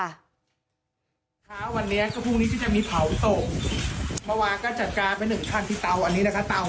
ค่ะวันนี้ก็พรุ่งนี้จะมีเผาตก